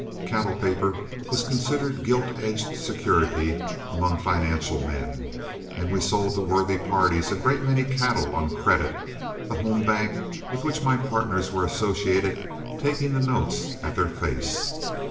Cattle paper was considered gilt edge security among financial men, and we sold to worthy parties a great many cattle on credit, the home bank with which my partners were associated taking the notes at their face.